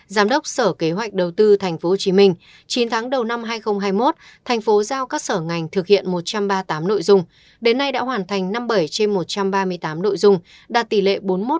giám đốc sở kế hoạch đầu tư tp hcm chín tháng đầu năm hai nghìn hai mươi một thành phố giao các sở ngành thực hiện một trăm ba mươi tám nội dung đến nay đã hoàn thành năm mươi bảy trên một trăm ba mươi tám nội dung đạt tỷ lệ bốn mươi một